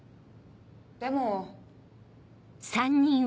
でも。